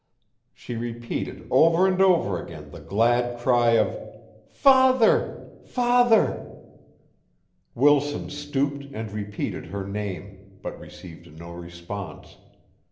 She repeated over and over again the glad cry of "Father! Father!" Wilson stooped and repeated her name, but received no response.